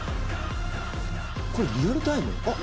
これリアルタイム？